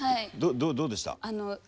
どうでした？